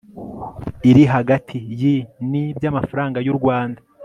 iri hagati yi . ni . by'amafaranga y'u rwanda